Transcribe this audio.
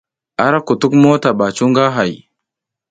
A ra kutuk mota ɓa cu nga hay.